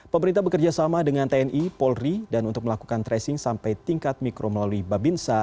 pemerintah bekerjasama dengan tni polri dan untuk melakukan tracing sampai tingkat mikro melalui babinsa